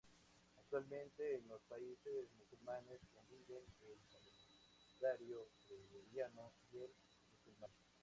Actualmente, en los países musulmanes conviven el calendario gregoriano y el musulmán.